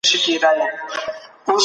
کله چې تدریس اسانه سي نو پوهنه چټکیږي.